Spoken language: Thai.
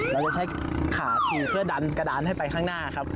เราจะใช้ขาถี่เพื่อดันกระดานให้ไปข้างหน้าครับ